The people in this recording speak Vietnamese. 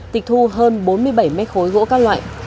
tịch thu hơn bốn mươi bảy mét khối gỗ các loại